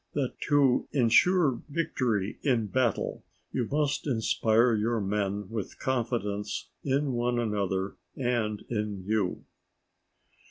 —_That to insure victory in battle you must inspire your Men with confidence in one another and in you.